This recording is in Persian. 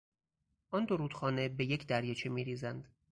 آن دو رودخانه به یک دریاچه میریزند.